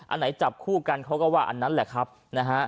อันไหนจับคู่กันเขาก็ว่าอันนั้นแหละครับนะฮะ